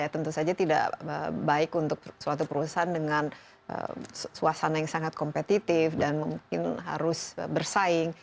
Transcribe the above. tentu saja tidak baik untuk suatu perusahaan dengan suasana yang sangat kompetitif dan mungkin harus bersaing